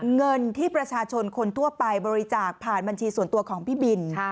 เงินที่ประชาชนคนทั่วไปบริจาคผ่านบัญชีส่วนตัวของพี่บิน